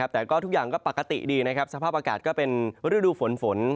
แต่ทุกอย่างปกติดีสภาพอากาศก็เป็นฤดูฝนฝน